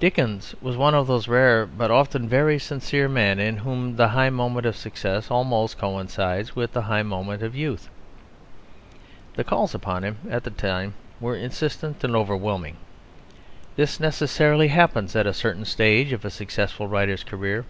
Dickens was one of those rare but often very sincere men in whom the high moment of success almost coincides with the high moment of youth. The calls upon him at this time were insistent and overwhelming; this necessarily happens at a certain stage of a successful writer's career.